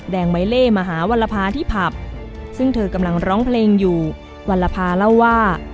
งใบเล่มาหาวรภาที่ผับซึ่งเธอกำลังร้องเพลงอยู่วัลภาเล่าว่า